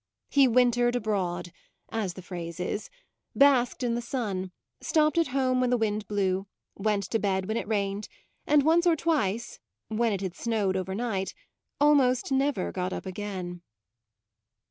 He wintered abroad, as the phrase is; basked in the sun, stopped at home when the wind blew, went to bed when it rained, and once or twice, when it had snowed overnight, almost never got up again.